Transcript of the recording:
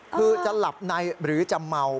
คือจะหลับในหรือจะเมา